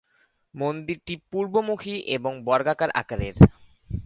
মন্দিরটি পূর্বমুখী এবং বর্গাকার আকারের।